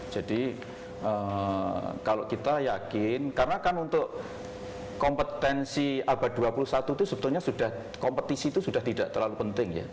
jadi kalau kita yakin karena kan untuk kompetensi abad dua puluh satu itu sebetulnya sudah kompetisi itu sudah tidak terlalu penting ya